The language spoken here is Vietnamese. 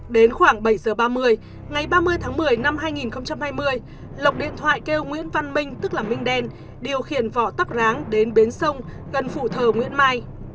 đến khoảng bảy giờ ba mươi ngày ba mươi tháng một mươi năm hai nghìn hai mươi lộc điện thoại kêu nguyễn văn minh tức là minh đen điều khiển vỏ tắc ráng đến bến sông gần phụ thờ nguyễn mai